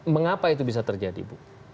mengapa itu bisa terjadi bu